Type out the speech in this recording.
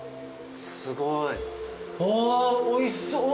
すごい。ああおいしそう。